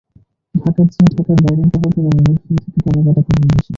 ঢাকার চেয়ে ঢাকার বাইরের গ্রাহকেরা মোবাইল ফোন থেকে কেনাকাটা করেন বেশি।